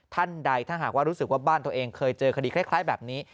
ท่านใดถ้าหากว่ารู้สึกว่าบ้านตัวเองเคยเจอคดีคล้ายแบบนี้